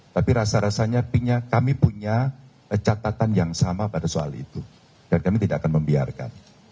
tapi rasa rasanya kami punya catatan yang sama pada soal itu dan kami tidak akan membiarkan